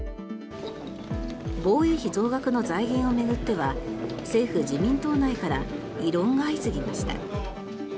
防衛費増額の財源を巡っては政府・自民党内から異論が相次ぎました。